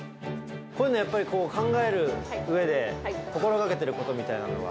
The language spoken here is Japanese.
こういうの、やっぱり考えるうえで、心がけていることみたいなのは？